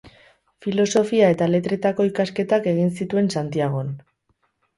Filosofia eta letretako ikasketak egin zituen Santiagon.